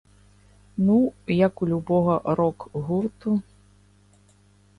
Ну, як у любога рок-гурту.